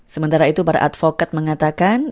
sementara itu para advokat mengatakan